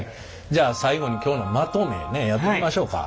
じゃあ最後に今日のまとめねやってみましょうか。